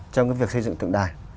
trong cái việc xây dựng tượng đài